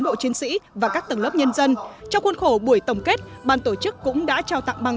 giới và các tầng lớp nhân dân trong khuôn khổ buổi tổng kết ban tổ chức cũng đã trao tặng bằng